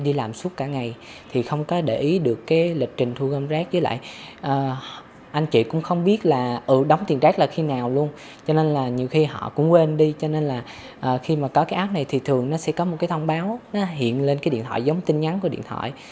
rac này thì thường nó sẽ có một cái thông báo nó hiện lên cái điện thoại giống tin nhắn của điện thoại